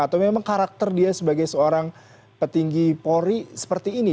atau memang karakter dia sebagai seorang petinggi polri seperti ini